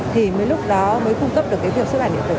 thì mới lúc đó mới cung cấp được việc xuất bản điện tử